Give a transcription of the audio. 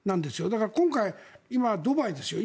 だから今回今、ドバイですよ。